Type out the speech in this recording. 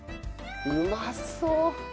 うまそう！